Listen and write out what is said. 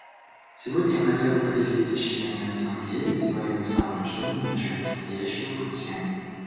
Сегодня я хотел бы поделиться с членами Ассамблеи своими соображениями насчет предстоящего пути.